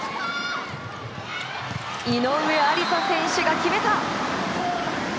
井上愛里沙選手が決めた。